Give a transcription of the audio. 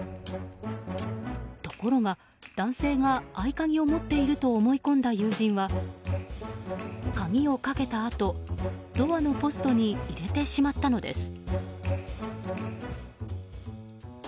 ところが、男性が合い鍵を持っていると思い込んだ友人は鍵をかけたあと、ドアのポストに入れてしまったのです。